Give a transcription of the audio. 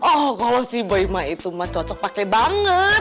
oh kalau si boima itu mah cocok pakai banget